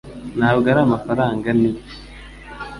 Ntabwo ari amafaranga, nibyo?